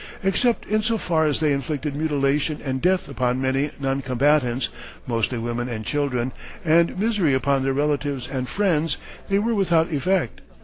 Except in so far as they inflicted mutilation and death upon many non combatants, mostly women and children, and misery upon their relatives and friends they were without effect.